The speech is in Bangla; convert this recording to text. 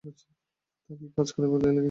তা কী কাজ করে জেলে গিয়েছিলে?